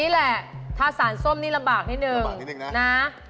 แบบสารส้มจะลำบากนิดหนึ่งนะ